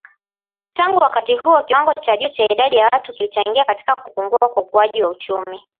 Tangu wakati huo kiwango cha juu cha idadi ya watu kilichangia katika kupungua kwa ukuaji wa uchumi